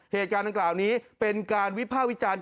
เหตุการณ์ต่างนี้เป็นการวิพาพวิจารณ์